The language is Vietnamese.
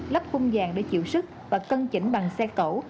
lắp khung vàng để chịu sức và cân chỉnh bằng xe cẩu